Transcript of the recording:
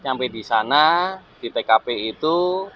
sampai disana di tkp itu